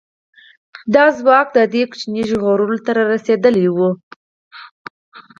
دا ځواک د دې ماشومې ژغورلو ته را رسېدلی و.